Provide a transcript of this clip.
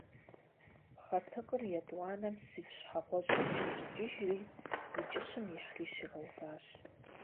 Пхъэтыкъыр етӀуанэм сыдж щхьэгъуэжь къыхиӀущӀыкӀыжри, и кӀыщым ихьри щигъэуващ.